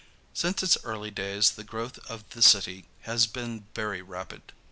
Since its early days the growth of the city has been very rapid.